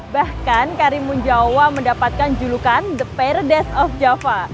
bahkan karimun jawa mendapatkan julukan the perdes of java